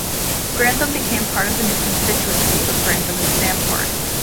Grantham became part of the new constituency of Grantham and Stamford.